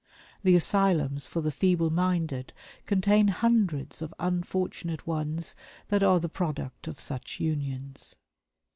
The asylums for the feeble minded contain hundreds of unfortunate ones that are the product of such unions.